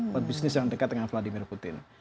berbisnis yang dekat dengan vladimir putin